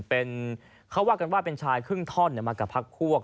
เขาว่ากันว่าเป็นชายครึ่งท่อนมากับพักพวก